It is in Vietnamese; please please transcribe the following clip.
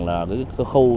là cái khâu